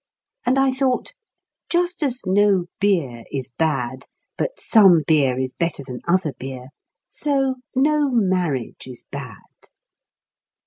And I thought: "Just as no beer is bad, but some beer is better than other beer, so no marriage is bad."